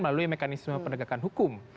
melalui mekanisme penegakan hukum